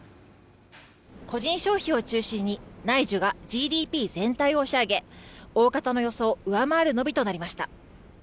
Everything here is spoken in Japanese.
個人消費を中心に内需がＧＤＰ全体を押し上げ大方の予想を上回る伸びとなりました。